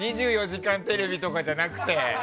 「２４時間テレビ」とかじゃなくて。